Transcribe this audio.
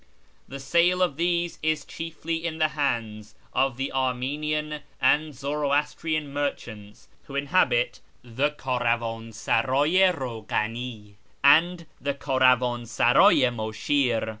The sale of these is chiefly in the hands of the Armenian and Zoroastrian merchants who inhabit the Kdravctn sardy i Baivghani and the Kdravdn sardy i Mushir.